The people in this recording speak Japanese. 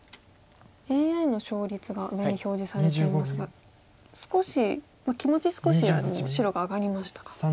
ＡＩの勝率が上に表示されていますが少し気持ち少し白が上がりましたか。